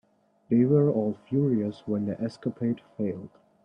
They were all furious when the escapade failed.